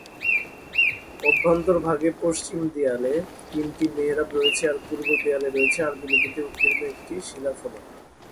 অভ্যন্তরভাগে পশ্চিম দেয়ালে তিনটি মেহরাব রয়েছে আর পূর্ব দেয়ালে রয়েছে আরবি লিপিতে উৎকীর্ণ একটি শিলাফলক।